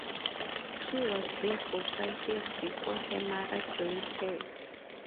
She was there for five years before her mother joined her.